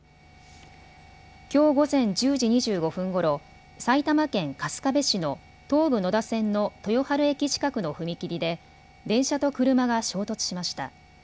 きょう午前１０時２５分ごろ、埼玉県春日部市の東武野田線の豊春駅近くの踏切で電車と車が衝突しました。